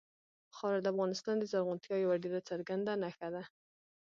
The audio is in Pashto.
خاوره د افغانستان د زرغونتیا یوه ډېره څرګنده نښه ده.